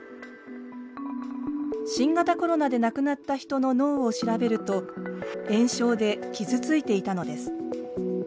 新型コロナで亡くなった人の脳を調べると炎症で傷ついていたのです。